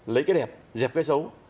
lấy cái đẹp dẹp cái xấu